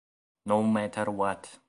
No Matter What